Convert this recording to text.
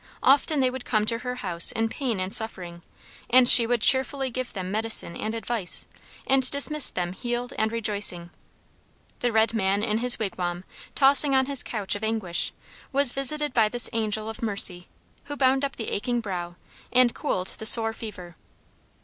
Often they would come to her house in pain and suffering, and she would cheerfully give them medicine and advice, and dismiss them healed and rejoicing. The red man in his wigwam, tossing on his couch of anguish, was visited by this angel of mercy, who bound up the aching brow, and cooled the sore fever.